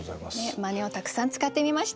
「まね」をたくさん使ってみました。